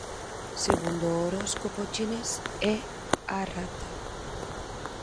Segundo o horóscopo chinés é A rata.